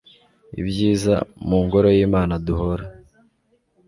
ibyiza, mu ngoro y'imana duhora